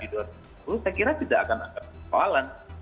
itu saya kira tidak akan ada kesempatan